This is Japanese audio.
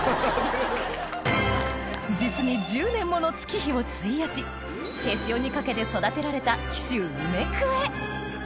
実に１０年もの月日を費やし手塩にかけて育てられた紀州梅くえ